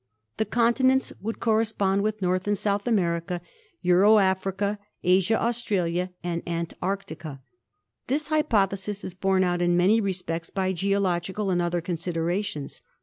The continents would correspond with North and South America, Euro Africa, Asia Aus tralia and Antarctica. This hypothesis is borne out in many respects by geological and other considerations.